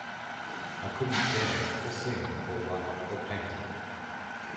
I couldn't dance or sing or write or paint.